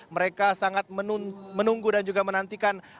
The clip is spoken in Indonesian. mereka sangat menunggu dan juga menantikan